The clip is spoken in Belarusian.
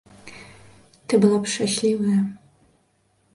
Ты была б шчаслівая.